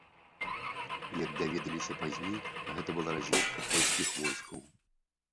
Як даведаліся пазней, гэта была разведка польскіх войскаў.